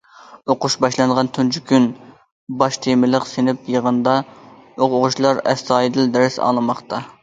« ئوقۇش باشلانغان تۇنجى كۈن» باش تېمىلىق سىنىپ يىغىنىدا، ئوقۇغۇچىلار ئەستايىدىل دەرس ئاڭلىماقتا.